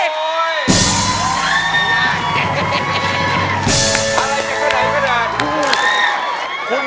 ก๋อห้อย